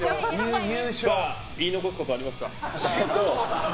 言い残すことありますか？